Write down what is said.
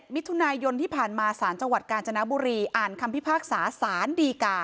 มิถุนายนที่ผ่านมาสารจังหวัดกาญจนบุรีอ่านคำพิพากษาสารดีกา